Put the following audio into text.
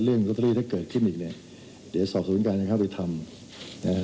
เรื่องก็ตรีถ้าเกิดขึ้นอีกเนี่ยเดี๋ยวสอบสวนการณ์จะเข้าไปทำ